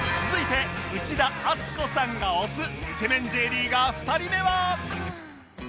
続いて内田あつこさんが推すイケメン Ｊ リーガー２人目は